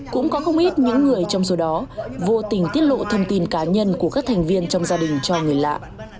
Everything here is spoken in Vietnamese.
cũng có không ít những người trong số đó vô tình tiết lộ thông tin cá nhân của các thành viên trong gia đình cho người lạ